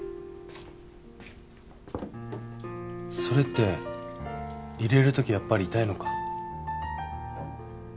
それって入れる時やっぱり痛いのか？